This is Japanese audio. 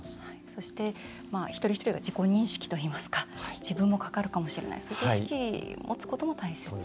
そして、一人一人が自己認識といいますか自分もかかるかもしれないそういった意識を持つことも大切。